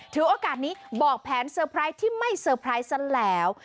ถือโอกาสนี้บอกแผนเซอร์ไพรส์ที่ไม่เซอร์ไพรส์ซะแล้ว